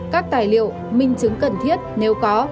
các tài liệu minh chứng cần thiết nếu có